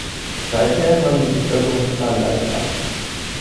Seither nahm die Bevölkerungszahl leicht ab.